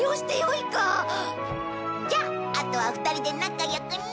じゃああとは２人で仲良くね。